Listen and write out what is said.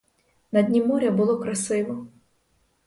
На дні моря було красиво.